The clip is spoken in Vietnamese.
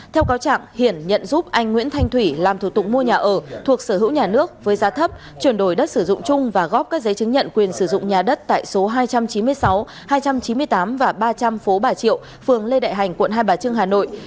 theo cáo trạng hiển nhận giúp anh nguyễn thanh thủy làm thủ tục mua nhà ở thuộc sở hữu nhà nước với giá thấp chuyển đổi đất sử dụng chung và góp các giấy chứng nhận quyền sử dụng nhà đất tại số hai trăm chín mươi sáu hai trăm chín mươi tám và ba trăm linh phố bà triệu phường lê đại hành quận hai bà trưng hà nội